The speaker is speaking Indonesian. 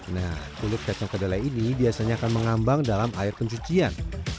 nah kulit kacang kedelai ini biasanya akan mengambang dalam air pencucian